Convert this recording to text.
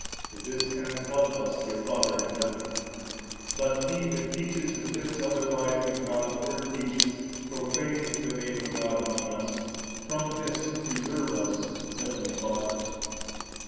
To this end help us, dear Father in heaven. But he that teaches and lives otherwise than God's Word teaches profanes the name of God among us. From this preserve us, Heavenly Father.